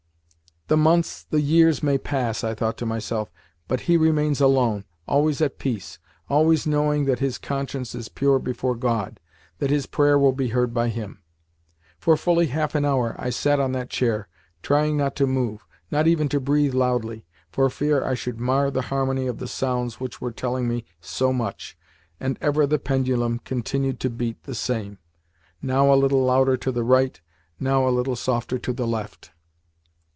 "The months, the years, may pass," I thought to myself, "but he remains alone always at peace, always knowing that his conscience is pure before God, that his prayer will be heard by Him." For fully half an hour I sat on that chair, trying not to move, not even to breathe loudly, for fear I should mar the harmony of the sounds which were telling me so much, and ever the pendulum continued to beat the same now a little louder to the right, now a little softer to the left.